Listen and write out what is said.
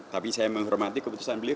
tapi saya menghormati keputusan beliau